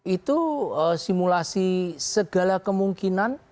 itu simulasi segala kemungkinan